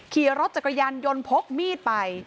ขี่รถจักรยานยนต์พกมีดไป